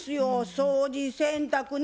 掃除洗濯ね